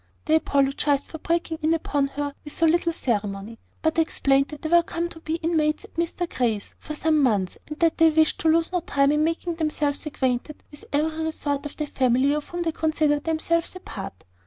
They apologised for breaking in upon her with so little ceremony, but explained that they were come to be inmates at Mr Grey's for some months, and that they wished to lose no time in making themselves acquainted with every resort of the family, of which they considered themselves a part.